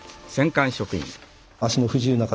足の不自由な方